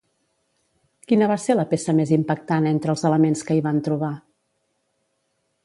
Quina va ser la peça més impactant entre els elements que hi van trobar?